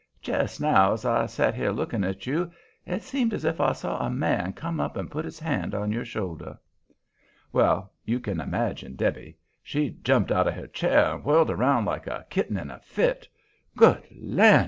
Jest now, as I set here looking at you, it seemed as if I saw a man come up and put his hand on your shoulder." Well, you can imagine Debby. She jumped out of her chair and whirled around like a kitten in a fit. "Good land!"